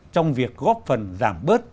trong việc góp phần giảm bớt